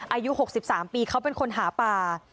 อายุ๖๓ปีเขาเป็นคนหาปลา